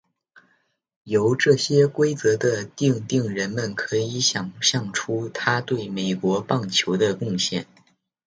由这些规则的订定人们可以想像出他对美国棒球的贡献。